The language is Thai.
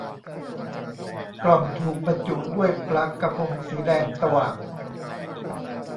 กล่องถูกบรรจุด้วยปลากะพงสีแดงสว่าง